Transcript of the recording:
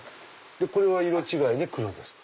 これは色違いで黒ですか。